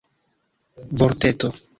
vorteto